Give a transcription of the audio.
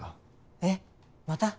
えっまた？